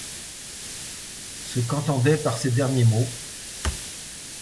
Ce qu’entendait par ces derniers mots.